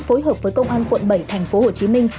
phối hợp với công an quận bảy tp hồ chí minh